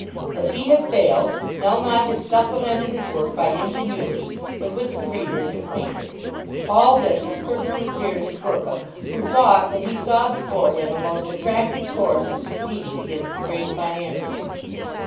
As he had failed, Melmotte had supplemented his work by ingenuity, with which the reader is acquainted. All this was perfectly clear to Squercum, who thought that he saw before him a most attractive course of proceeding against the Great Financier.